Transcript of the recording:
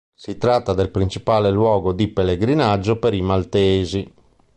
Si tratta del principale luogo di pellegrinaggio per i maltesi.